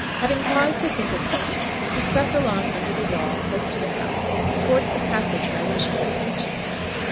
Having paused to think of this, he crept along under the wall, close to the house, towards the passage by which he could reach them.